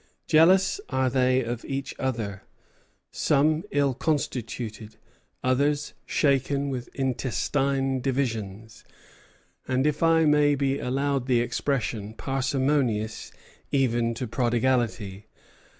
Jealous are they of each other; some ill constituted, others shaken with intestine divisions, and, if I may be allowed the expression, parsimonious even to prodigality.